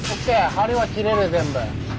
梁は切れる全部。